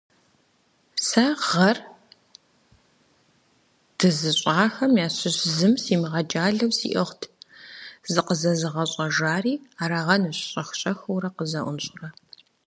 Сэ гъэр дызыщӀахэм ящыщ зым симыгъэджалэу сиӀыгът, зыкъызэзыгъэщӀэжари арагъэнущ, щӀэх-щӀэхыурэ къызэӀунщӀурэ.